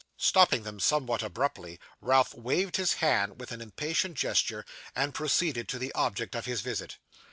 Stopping them somewhat abruptly, Ralph waved his hand with an impatient gesture, and proceeded to the object of his visit.